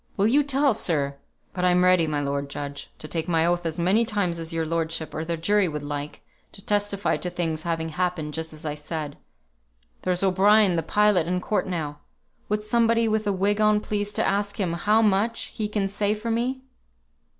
Will you tell, sir? But I'm ready, my lord judge, to take my oath as many times as your lordship or the jury would like, to testify to things having happened just as I said. There's O'Brien, the pilot, in court now. Would somebody with a wig on please to ask him how much he can say for me?"